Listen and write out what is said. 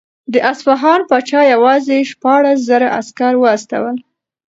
د اصفهان پاچا یوازې شپاړس زره عسکر واستول.